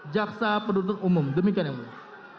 jaksa penutup umum demikian yang berikut